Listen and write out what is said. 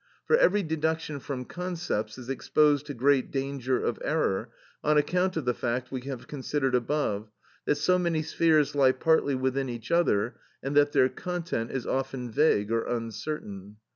For every deduction from concepts is exposed to great danger of error, on account of the fact we have considered above, that so many spheres lie partly within each other, and that their content is often vague or uncertain.